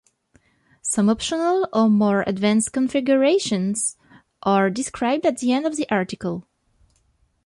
Some optional or more advanced configurations are described at the end of the article.